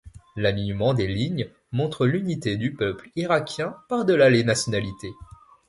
L'alignement des lignes montre l'unité du peuple irakien par-delà les nationalités.